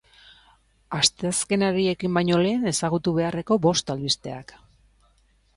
Asteazkenari ekin baino lehen ezagutu beharreko bost albisteak.